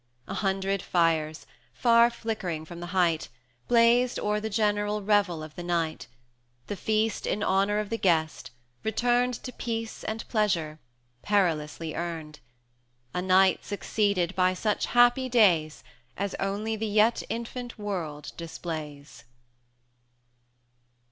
A hundred fires, far flickering from the height,[fw] Blazed o'er the general revel of the night, The feast in honour of the guest, returned To Peace and Pleasure, perilously earned; A night succeeded by such happy days As only the yet infant world displays.